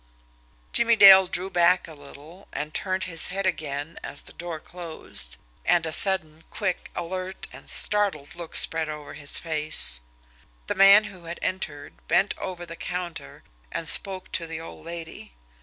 Jimmie Dale drew back a little, and turned his head again as the door closed and a sudden, quick, alert, and startled look spread over his face. The man who had entered bent over the counter and spoke to the old lady.